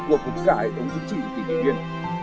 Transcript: của tất cả hệ thống chính trị tỉnh tỉnh viên